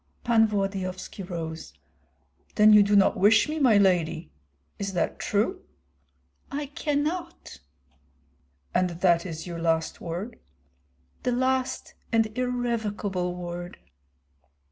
Pan Volodyovski rose. "Then you do not wish me, my lady? Is that true?" "I cannot." "And that is your last word?" "The last and irrevocable word."